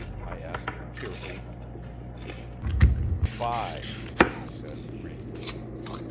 I asked cheerfully. "Buy," he said briefly.